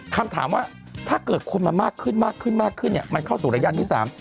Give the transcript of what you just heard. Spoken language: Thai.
คำถามว่าถ้าเกิดคนมามากขึ้นมากขึ้นมากขึ้นเนี่ยมันเข้าสู่ระยะที่สาม